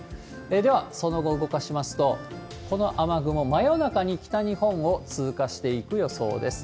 では、その後動かしますと、この雨雲、真夜中に北日本を通過していく予想です。